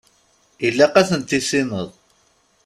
Ilaq ad ten-tissineḍ.